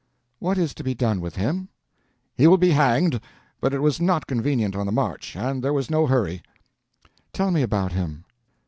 "What is to be done with him?" "He will be hanged, but it was not convenient on the march, and there was no hurry." "Tell me about him."